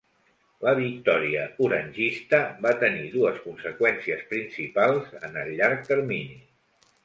La victòria orangista va tenir dues conseqüències principals en el llarg termini.